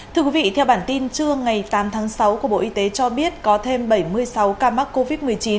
thưa quý vị theo bản tin trưa ngày tám tháng sáu của bộ y tế cho biết có thêm bảy mươi sáu ca mắc covid một mươi chín